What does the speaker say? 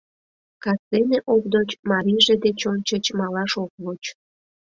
Кастене Овдоч марийже деч ончыч малаш ок воч.